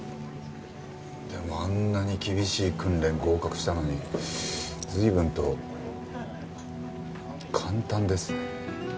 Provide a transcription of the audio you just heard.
でもあんなに厳しい訓練合格したのに随分と簡単ですね。